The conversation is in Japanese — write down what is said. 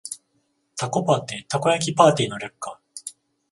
タコパってたこ焼きパーティーの略か